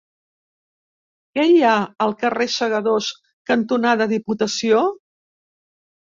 Què hi ha al carrer Segadors cantonada Diputació?